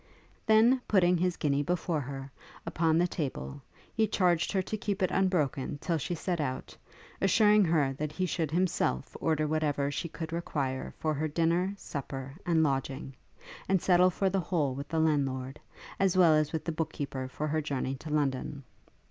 Then putting his guinea before her, upon the table, he charged her to keep it unbroken till she set out, assuring her that he should himself order whatever she could require for her dinner, supper, and lodging, and settle for the whole with the landlord; as well as with the book keeper for her journey to London.